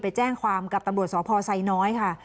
ไปแจ้งความกับตำรวจสพไซน้อยค่ะ